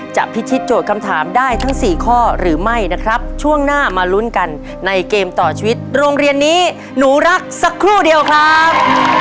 พิธีโจทย์คำถามได้ทั้งสี่ข้อหรือไม่นะครับช่วงหน้ามาลุ้นกันในเกมต่อชีวิตโรงเรียนนี้หนูรักสักครู่เดียวครับ